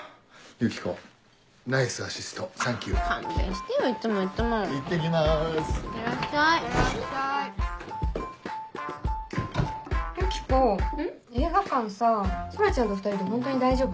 ユキコ映画館さ空ちゃんと２人でホントに大丈夫？